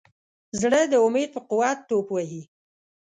زړه د امید په قوت ټوپ وهي.